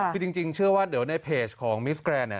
คือจริงเชื่อว่าเดี๋ยวในเพจของมิสแกรนดเนี่ย